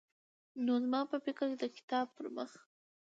نو زما په فکر چې د کتاب پرمخ